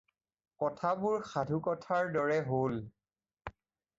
কথাবোৰ সাধুকথাৰ দৰে হ'ল।